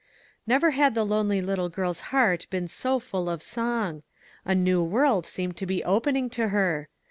Never had the lonely little girl's heart been so full of song; a new world seemed to be open ing to her.